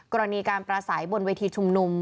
กรณีการประสัยบนเวทีชุมนุม